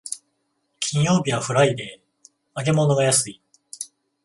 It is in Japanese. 金曜日はフライデー、揚げ物が安い